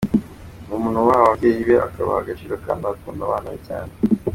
Ni umuntu wubaha ababyeyi be, akabaha agaciro kandi agakunda abana cyane.